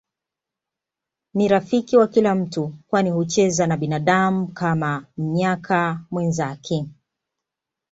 Ni rafiki wa kila mtu kwani hucheza na binadamu Kama mnyaka mwenzake